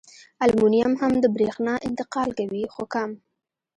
المونیم هم د برېښنا انتقال کوي خو کم.